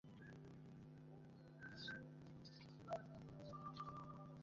পিরোজপুরে দুটি মোটরসাইকেলের মুখোমুখি সংঘর্ষে দুই আরোহী নিহত এবং আরও দুজন আহত হয়েছেন।